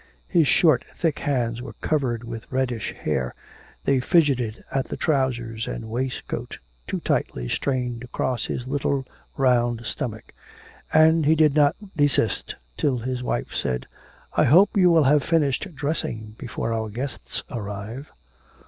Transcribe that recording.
His short thick hands were covered with reddish hair. They fidgeted at the trousers and waistcoat, too tightly strained across his little round stomach; and he did not desist till his wife said: 'I hope you will have finished dressing before our guests arrive.'